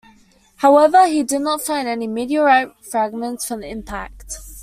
However he did not find any meteorite fragments from the impact.